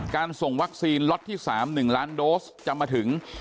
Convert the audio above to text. ส่งวัคซีนล็อตที่๓๑ล้านโดสจะมาถึง